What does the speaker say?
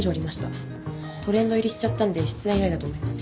トレンド入りしちゃったんで出演依頼だと思います。